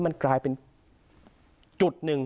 มันกลายเป็นจุดหนึ่ง